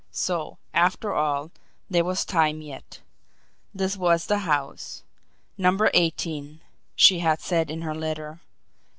So, after all, there was time yet! This was the house. "Number eighteen," she had said in her letter.